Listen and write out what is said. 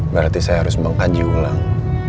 berarti saya harus mengkaji ulang